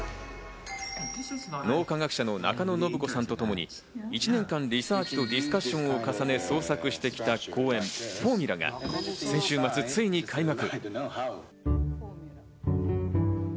脳科学者の中野信子さんとともに１年間、リサーチとディスカッションを重ね創作してきた公演、『ＦＯＲＭＵＬＡ』が先週末ついに開幕。